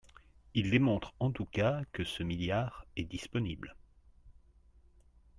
Ils démontrent en tout cas que ce milliard est disponible.